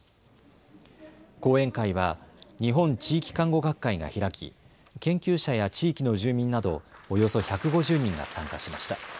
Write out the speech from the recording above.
講演会は日本地域看護学会が開き研究者や地域の住民などおよそ１５０人が参加しました。